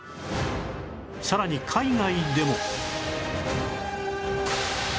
さらに海外でも